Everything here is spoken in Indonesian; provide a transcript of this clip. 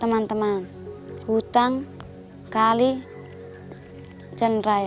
teman teman hutan kali jalan raya